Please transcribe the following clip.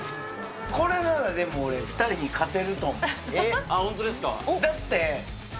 これならでも俺、２人に勝て本当ですか？